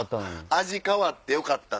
味変わってよかった。